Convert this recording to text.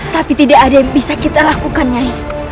tapi tidak ada yang bisa kita lakukan ya